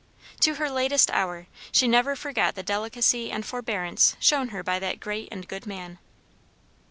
To her latest hour, she never forgot the delicacy and forbearance shown her by that great and good man.